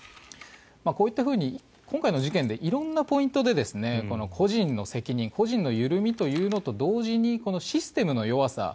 こういったふうに今回の事件で色んなポイントで個人の責任個人の緩みというのと同時にシステムの弱さ。